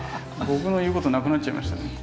僕の言うことなくなっちゃいましたね。